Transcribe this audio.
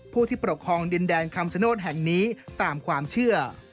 ผู้ที่ปกครองดินแดนคำสโนธแห่งนี้ตามความเชื่อ